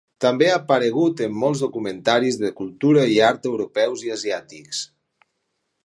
També ha aparegut en molts documentaris de cultura i art europeus i asiàtics.